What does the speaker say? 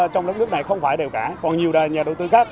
trong đất nước này không phải đều cả còn nhiều nhà đầu tư khác